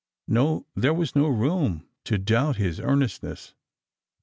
No, there was no room to doubt his earnestness.